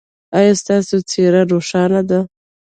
ایا ستاسو څیره روښانه ده؟